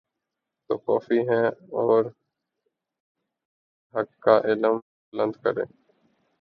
تو کوفی ہیں اور اگر حق کا علم بلند کرتے